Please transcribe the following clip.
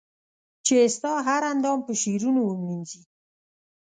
چي ستا هر اندام په شعرونو و مېنځنې